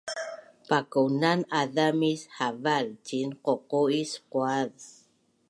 Pakaunan azamis haval ciin qoqo’is quaz